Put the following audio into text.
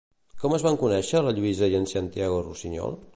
Com es van conèixer la Lluïsa i en Santiago Rusiñol?